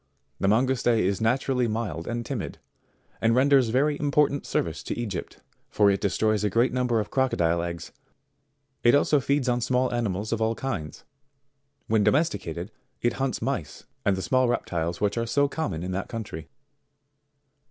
The Mangouste is naturally mild and timid, and renders very important service to Egypt, for it destroys a great number of crocodile eggs ; it also feeds on small animals of all kinds. When domesticated it hunts mice and the small reptiles which are so common in that country.